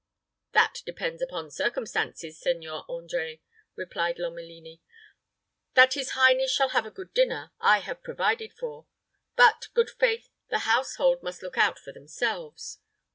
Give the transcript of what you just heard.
"That depends upon circumstances, Seigneur André," replied Lomelini. "That his highness shall have a good dinner, I have provided for; but, good faith, the household must look out for themselves.